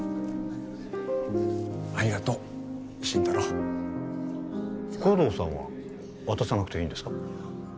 ありがとう心太朗護道さんは渡さなくていいんですか？